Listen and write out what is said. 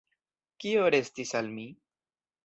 Kio restis al mi?